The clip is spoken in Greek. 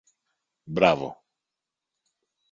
Μπράβο!